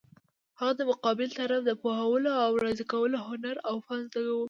هغه د مقابل طرف د پوهولو او راضي کولو هنر او فن زده وو.